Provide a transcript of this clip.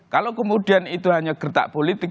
kalau kemudian itu hanya gertak politik